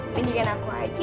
mendingan aku aja makan